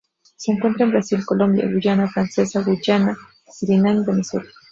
Se encuentra en Brasil, Colombia, Guyana Francesa, Guyana, Surinam y Venezuela.